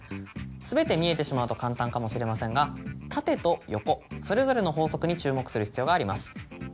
全て見えてしまうと簡単かもしれませんが縦と横それぞれの法則に注目する必要があります。